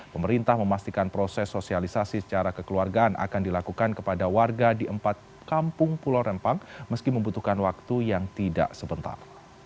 pemerintah memastikan proses sosialisasi secara kekeluargaan akan dilakukan kepada warga di empat kampung pulau rempang meski membutuhkan waktu yang tidak sebentar